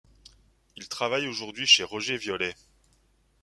Il travaille aujourd’hui chez Roger-Viollet.